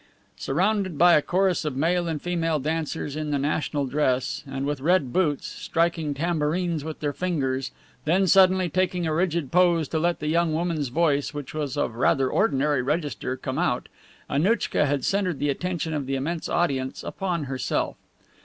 Surrounded by a chorus of male and female dancers in the national dress and with red boots, striking tambourines with their fingers, then suddenly taking a rigid pose to let the young woman's voice, which was of rather ordinary register, come out, Annouchka had centered the attention of the immense audience upon herself.